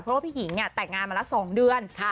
พี่หญิงเนี่ยแต่งงานมาละ๒เดือน